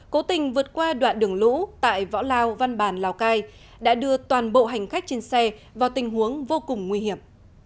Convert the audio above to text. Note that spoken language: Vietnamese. cố tình vượt qua đoạn đường lũ tại võ lao văn bản lào cai đã đưa toàn bộ hành khách trên xe vào tình huống vô cùng nguy hiểm